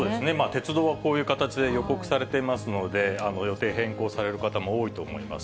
鉄道はこういう形で予告されていますので、予定変更される方も多いと思います。